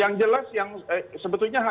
yang jelas yang sebetulnya yang jelas